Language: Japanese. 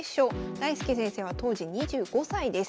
大介先生は当時２５歳です。